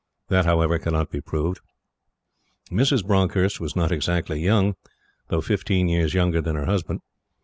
That, however, cannot be proved. Mrs. Bronckhorst was not exactly young, though fifteen years younger than her husband.